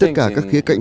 tất cả các khía cạnh